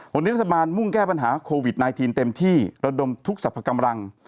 วันนี้รัฐบาลมุ่งแก้ปัญหาโควิด๑๙เต็มที่ระดมทุกสรรพกำลัง